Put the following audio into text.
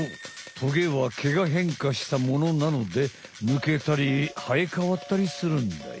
トゲは毛が変化したものなのでぬけたりはえかわったりするんだよ。